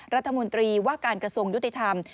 รัฐมนตรีว่าการกระทรวงยุติธรรม